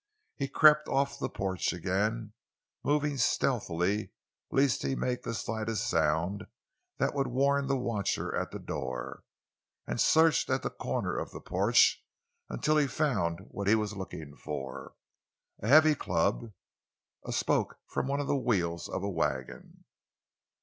He crept off the porch again, moving stealthily lest he make the slightest sound that would warn the watcher at the door, and searched at a corner of the porch until he found what he was looking for—a heavy club, a spoke from one of the wheels of a wagon.